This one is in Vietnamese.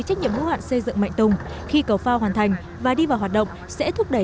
trách nhiệm hữu hạn xây dựng mạnh tùng khi cầu phao hoàn thành và đi vào hoạt động sẽ thúc đẩy